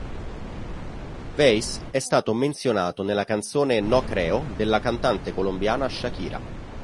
Weiss è stato menzionato nella canzone "No Creo" della cantante colombiana Shakira.